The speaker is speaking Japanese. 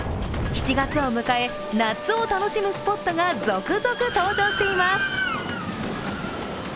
７月を迎え、夏を楽しむスポットが続々登場しています。